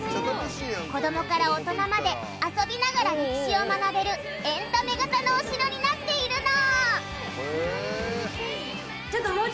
子どもから大人まで遊びながら歴史を学べるエンタメ型のお城になっているの！